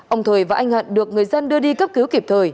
ông thời và anh hận được người dân đưa đi cấp cứu kịp thời